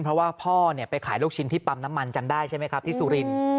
เพราะว่าพ่อไปขายลูกชิ้นที่ปั๊มน้ำมันจำได้ใช่ไหมครับที่สุรินทร์